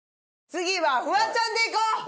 次はフワちゃんでいこう。